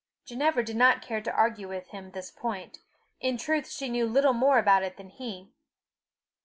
Ginevra did not care to argue with him this point. In truth she knew little more about it than he.